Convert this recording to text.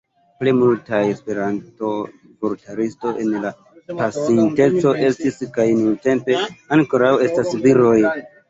Plej multaj Esperanto-vortaristoj en la pasinteco estis kaj nuntempe ankoraŭ estas viroj.